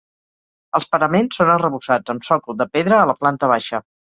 Els paraments són arrebossats, amb sòcol de pedra a la planta baixa.